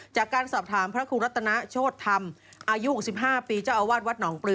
จากการสอบถามพระครูรัตนาโชธธรรมอายุ๖๕ปีเจ้าอาวาสวัดหนองปลือ